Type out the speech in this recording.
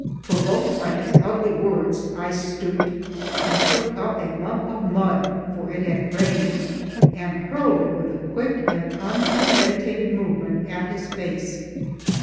Provoked by his ugly words, I stooped and took up a lump of mud for it had rained and hurled it with a quick and unpremeditated movement at his face.